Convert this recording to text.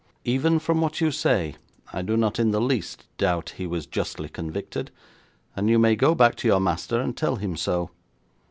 Even from what you say, I do not in the least doubt he was justly convicted, and you may go back to your master and tell him so.